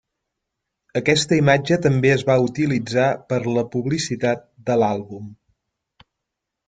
Aquesta imatge també es va utilitzar per a la publicitat de l'àlbum.